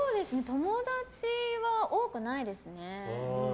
友達は多くないですね。